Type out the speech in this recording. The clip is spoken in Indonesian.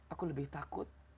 aku lebih takut